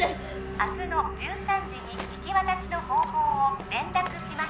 明日の１３時に引き渡しの方法を連絡します